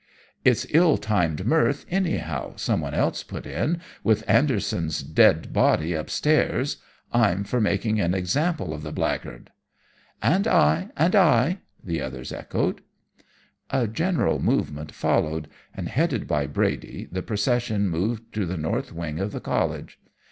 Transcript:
"'It's ill timed mirth, anyhow,' someone else put in, 'with Anderson's dead body upstairs. I'm for making an example of the blackguard.' "'And I,' 'And I,' the others echoed. "A general movement followed, and headed by Brady the procession moved to the north wing of the College.